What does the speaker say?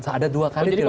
ada dua kali ditelepon